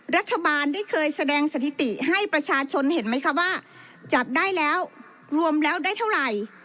รัฐบาลได้เคยแสดงสถิติให้ประชาชนเห็นไหมคะว่าจับได้แล้วรวมแล้วได้เท่าไหร่